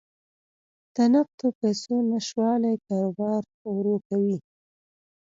د نقدو پیسو نشتوالی کاروبار ورو کوي.